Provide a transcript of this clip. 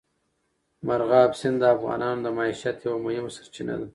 مورغاب سیند د افغانانو د معیشت یوه مهمه سرچینه ده.